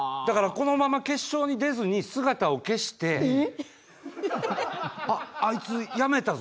このまま決勝に出ず、姿を消して、あいつ、やめたぞ。